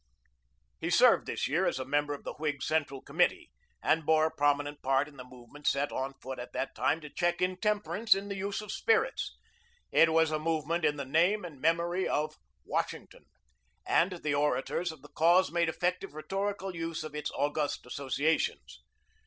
He served this year as a member of the Whig Central Committee, and bore a prominent part in the movement set on foot at that time to check intemperance in the use of spirits. It was a movement in the name and memory of "Washington," and the orators of the cause made effective rhetorical use of its august associations.